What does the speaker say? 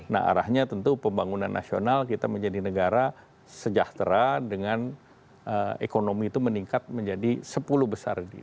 nah arahnya tentu pembangunan nasional kita menjadi negara sejahtera dengan ekonomi itu meningkat menjadi sepuluh besar